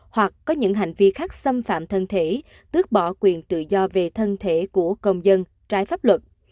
hoặc có những hành vi khác xâm phạm thân thể tước bỏ quyền tự do về thân thể của công dân trái pháp luật